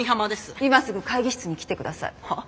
今すぐ会議室に来て下さい。